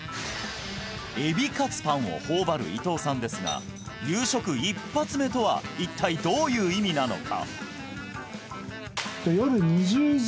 エビカツパンを頬張る伊藤さんですが夕食１発目とは一体どういう意味なのか？